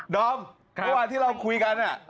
ดอมทุกวันที่เราคุยกัน